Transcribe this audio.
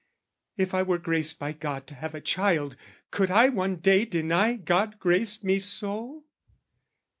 "If I were graced by God to have a child, "Could I one day deny God graced me so?